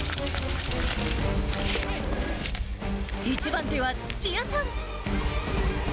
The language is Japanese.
１番手は土屋さん。